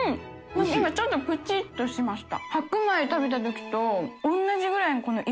今ちょっとプチッとしました。